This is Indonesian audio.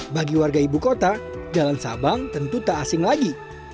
bagi warga ibu kota jalan sabang tentu tak asing lagi